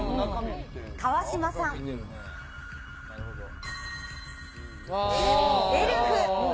川島さん、エルフ。